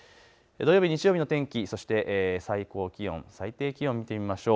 土曜日日曜日の天気、そして最高気温、最低気温見てみましょう。